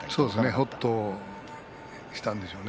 ほっとしたんでしょうね。